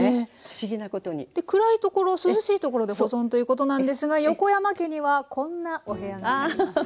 で暗いところ涼しいところで保存ということなんですが横山家にはこんなお部屋があります。